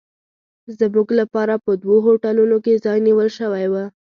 زموږ لپاره په دوو هوټلونو کې ځای نیول شوی و.